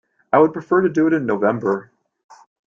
I would prefer to do it in November.